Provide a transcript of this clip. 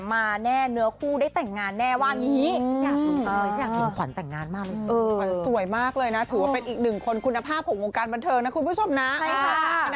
แม่เนื้อคู่ได้แต่งงานแน่ว่างี้อยากถูกร้อยใช่ไหมควัญแต่งงานมากเลยเออสวยมากเลยนะถือว่าเป็นอีกหนึ่งคนคุณภาพของวงการบันเทิงนะคุณผู้ชมนะใช่ค่ะ